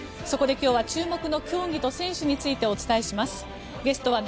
そこで今日は注目の競技と選手についてお伝えしました。